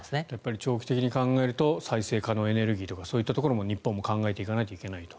長期的に考えると再生可能エネルギーとかそういったところも日本も考えていかないといけないと。